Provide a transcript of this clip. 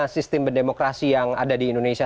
sistem berdemokrasi yang ada di indonesia